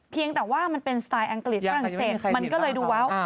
เพียงต่อว่ามันเป็นรึภาษีอังกฤษฝรั่งเศษมันก็เลยดูเว้า